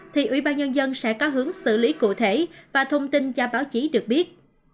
thì ủy ban nhân dân sẽ có hướng xử lý cụ thể và thông tin cho báo chí được biết